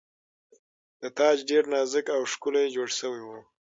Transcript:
دا تاج ډیر نازک او ښکلی جوړ شوی و